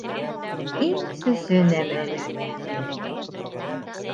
Иң сөсө нәмә лә тел.